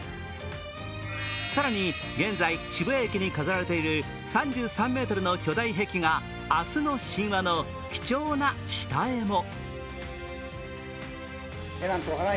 更に現在、渋谷駅に飾られている３３ｍの巨大壁画・「明日の神話」の貴重な下絵も。